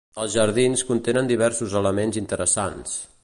Els jardins contenen diversos elements interessants.